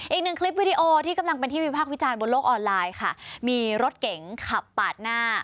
อีกหนึ่งคลิปวิดีโอที่กำลังเป็นที่วิพากษ์วิจารณ์บนโลกออนไลน์ค่ะมีรถเก๋งขับปาดหน้า